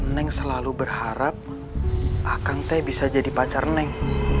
neng selalu berharap akang teh bisa jadi pacar neng